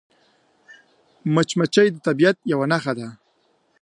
مچمچۍ د طبیعت یوه نښه ده